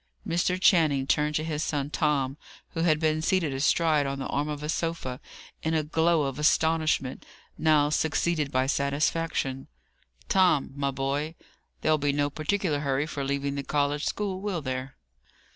Mr. Channing turned to his son Tom, who had been seated astride on the arm of a sofa, in a glow of astonishment, now succeeded by satisfaction. "Tom, my boy! There'll be no particular hurry for leaving the college school, will there?"